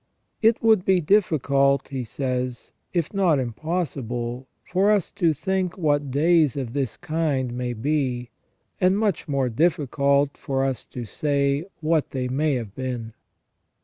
"It would be difficult," he says, "if not im possible, for us to think what days of this kind may be, and much more difficult for us to say what they may have been."